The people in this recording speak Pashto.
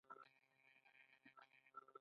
شولې چې کله پخې شي له لو وروسته غوبلیږي.